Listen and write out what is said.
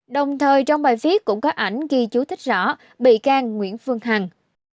đồng thời trong bài viết cũng có ảnh ghi chú thích rõ bị can nguyễn phương hằng